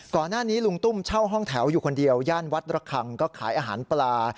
ลุงตุ้มเช่าห้องแถวอยู่คนเดียวย่านวัดระคังก็ขายอาหารปลา